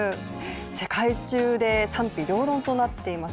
世界中で賛否両論となっています